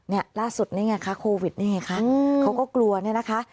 เนี่ยล่าสุดนี่ไงคะโควิดนี่ไงคะเขาก็กลัวเนี่ยนะคะ